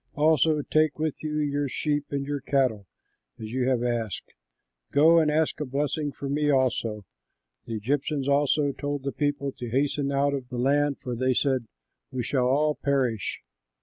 Also take with you your sheep and your cattle, as you have asked, go and ask a blessing for me also." The Egyptians also told the people to hasten out of the land, for they said, "We shall all perish."